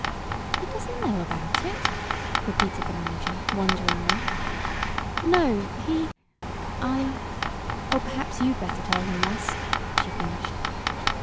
"He doesn't know about it?" repeated the manager, wonderingly. "No. He I Oh, perhaps you'd better tell him, Russ," she finished.